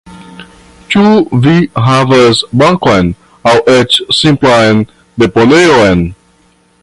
Ĉu vi havas bankon aŭ eĉ simplan deponejon?